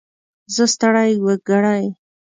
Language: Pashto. زه ستړی وګړی.